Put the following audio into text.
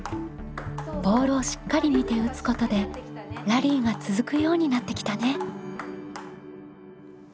ボールをしっかり見て打つことでラリーが続くようになってきたね。